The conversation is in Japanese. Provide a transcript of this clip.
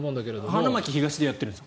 花巻東でやってるんです。